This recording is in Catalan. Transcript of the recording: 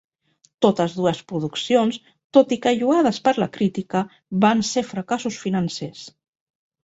Totes dues produccions, tot i que lloades per la crítica, van ser fracassos financers.